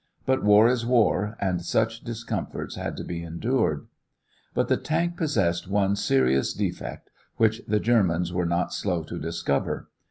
But war is war, and such discomforts had to be endured. But the tank possessed one serious defect which the Germans were not slow to discover.